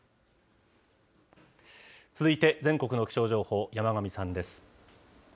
続いて全国の気象情報、山神さんです。